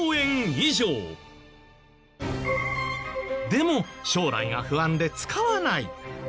でも将来が不安で使わない。